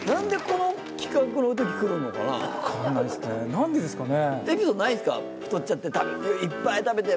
何でですかね？